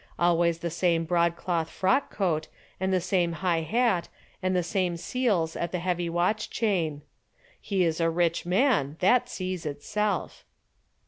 Always the same broadcloth frock coat and the same high hat and the same seals at the heavy watch chain. He is a rich man, that sees itself."